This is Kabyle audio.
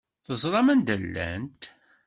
Teẓram anda llant?